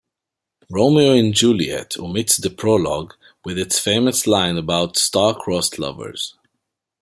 "Romeo and Juliet" omits the prologue, with its famous line about "star-crossed lovers".